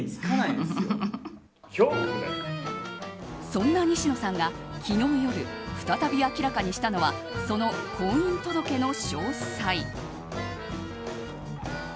そんな西野さんが昨日夜再び明らかにしたのはその婚姻届の詳細。